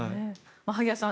萩谷さん